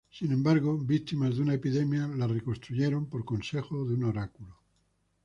Sin embargo, víctimas de una epidemia, la reconstruyeron por consejo de un oráculo.